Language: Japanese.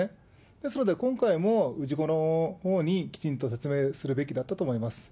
ですので今回も、氏子のほうにきちんと説明するべきだったと思います。